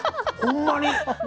ほんまに。